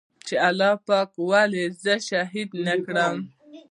چې الله پاک ولې زه شهيد نه کړم.